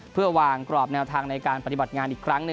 เพื่อวางกรอบแนวทางในการปฏิบัติงานอีกครั้งหนึ่ง